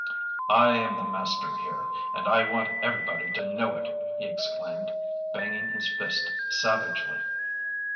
"I am the master here, and I want everybody to know it!" he exclaimed, banging his fist savagely.